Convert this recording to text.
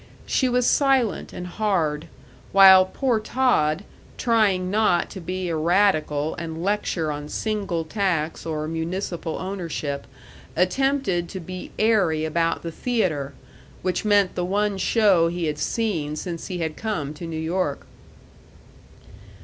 She was silent and hard, while poor Todd, trying not to be a radical and lecture on single tax or municipal ownership, attempted to be airy about the theater, which meant the one show he had seen since he had come to New York.